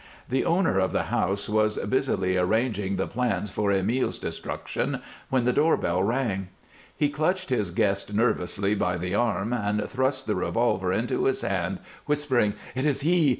The owner of the house was busily arranging the plans for Emile's destruction when the doorbell rang. He clutched his guest nervously by the arm and thrust the revolver into his hand, whispering: "It is he!